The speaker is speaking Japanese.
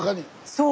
そう。